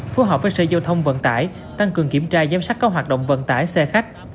phù hợp với sở giao thông vận tải tăng cường kiểm tra giám sát các hoạt động vận tải xe khách